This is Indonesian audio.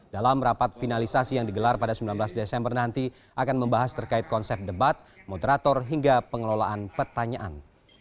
dalam rapat finalisasi yang digelar pada sembilan belas desember nanti akan membahas terkait konsep debat moderator hingga pengelolaan pertanyaan